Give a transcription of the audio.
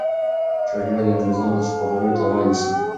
شاه شجاع د انګریزانو خبرو ته غوږ نیسي.